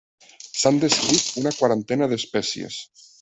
S'han descrit una quarantena d'espècies.